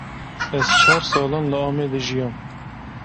Ez çar salan li Amedê jiyam.